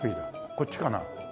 こっちかな？